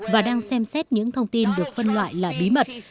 và đang xem xét những thông tin được phân loại là bí mật